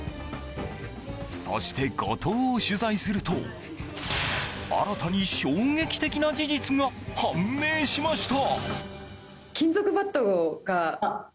そして後藤を取材すると、新たに衝撃的な事実が判明しました。